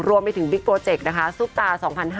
รวมไปถึงบิ๊กโปรเจกต์นะคะซุปตา๒๕๕๐